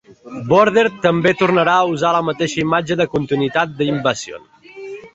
Border també tornarà a usar la mateixa imatge de continuïtat de in-vision.